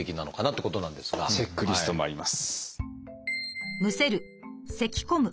チェックリストもあります。